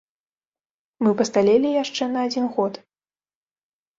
Мы пасталелі яшчэ на адзін год.